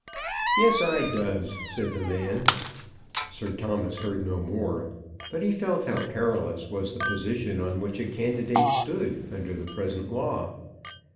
"Yes, I does," said the man. Sir Thomas heard no more, but he felt how perilous was the position on which a candidate stood under the present law.